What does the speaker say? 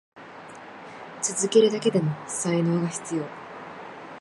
続けるだけでも才能が必要。